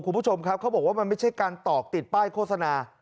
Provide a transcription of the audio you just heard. คุณผู้ชมครับเขาบอกว่ามันไม่ใช่การตอกติดป้ายโฆษณา